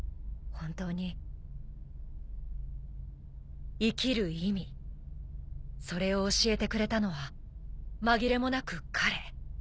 本当に生きる意味それを教えてくれたのは紛れもなく彼。